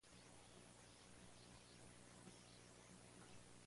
Dio conferencias en diferentes países del medio oriente.